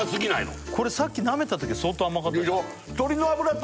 さっきなめた時相当甘かったでしょ